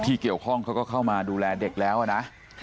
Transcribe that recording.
ที่เกี่ยวข้องเขาก็เข้ามาดูแลเด็กแล้วนะ